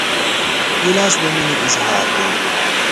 ګیلاس د مینې اظهار دی.